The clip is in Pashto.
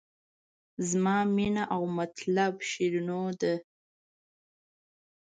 زما مینه او مطلب شیرینو ده.